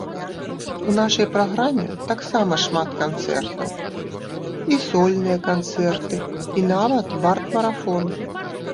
У нашай праграме таксама шмат канцэртаў, і сольныя канцэрты і нават бард-марафон.